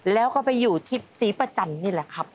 แล้วก็ไปอยู่ที่ศรีประจันทร์นี่แหละครับ